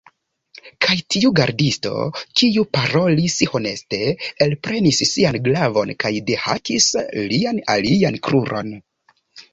Kaj tiu gardisto, kiu parolis honeste, elprenis sian glavon kaj dehakis lian alian kruron.